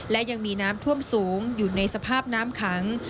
และยังมีน้ำท่วมสูงอยู่ในสภาพน้ำขัง